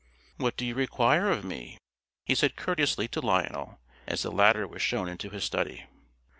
"What do you require of me?" he said courteously to Lionel, as the latter was shown into his study.